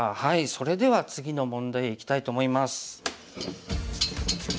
それでは次の問題へいきたいと思います。